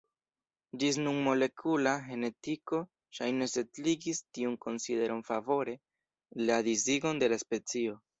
Ĝis nun molekula genetiko ŝajne setligis tiun konsideron favore la disigon de la specio.